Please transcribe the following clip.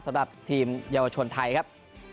สำหรับทีมเยาวชนไทยครับ